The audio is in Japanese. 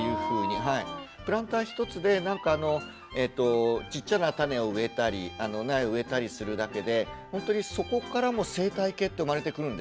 プランターひとつでなんかあのちっちゃな種を植えたり苗を植えたりするだけで本当にそこからもう生態系って生まれてくるんですよね。